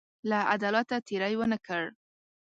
له عدالته تېری ونه کړ.